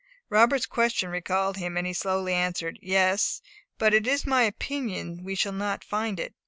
Robert's question recalled him, and he slowly answered, "Yes; but it is my opinion we shall not find it.